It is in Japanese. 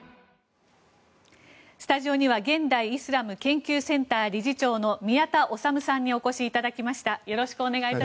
スタジオには現代イスラム研究センター理事長の宮田律さんにお越しいただきました。